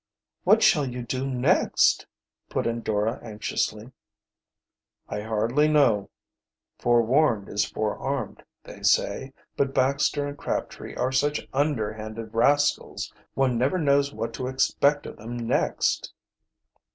"What shall you do next?" put in Dora anxiously. "I hardly know. 'Forwarned is forearmed,' they say, but Baxter and Crabtree are such underhanded rascals one never knows what to expect of them next."